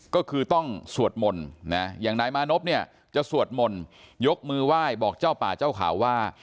ก็คือต้องสวดมนต์นะอย่างนายมานพเนี่ยจะสวดมนต์ยกมือไหว้บอกเจ้าป่าเจ้าข่าวว่า